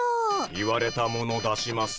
言われたもの出します。